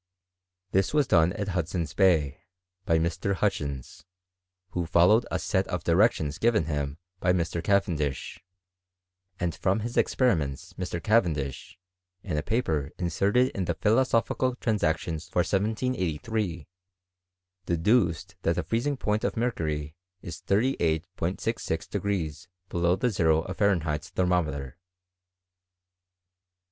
This was done at Hudson's Bay, by Mr* Hutchins, who followed a set of directions given him by Mr. Cavendish, and from his experiments Mr. Ca vendish, in a paper inserted in the Philosophical Transactions for 1783, deduced that the freezing point of mercury is 38*66 degrees below the zero of Fahren heit's thermometer.